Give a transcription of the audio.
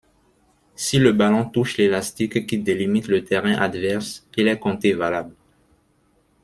Si le ballon touche l'élastique qui délimite le terrain adverse, il est compté valable.